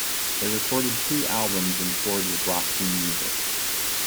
They recorded two albums and toured with Roxy Music.